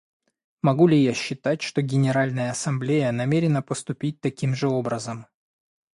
Могу ли я считать, что Генеральная Ассамблея намерена поступить таким же образом?